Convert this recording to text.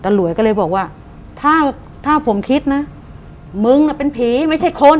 แต่หลวยก็เลยบอกว่าท่าผมคิดนะมึงเป็นผีแต่ไม่ใช่คน